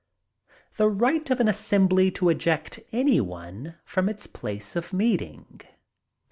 The Right of an Assembly to Eject any one from its place of meeting.